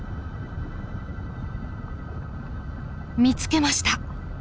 見つけました。